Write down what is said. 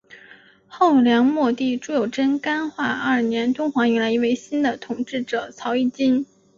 后梁末帝朱友贞干化二年敦煌迎来一位新的统治者曹议金。